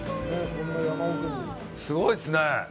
すごいっすね。